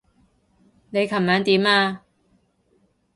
你琴晚點啊？